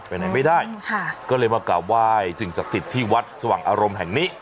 ไปไหนไม่ได้ค่ะก็เลยมากราบไหว้สิ่งศักดิ์สิทธิ์ที่วัดสว่างอารมณ์แห่งนี้